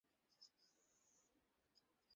আমি ফোন এখানে রেখে গেছি।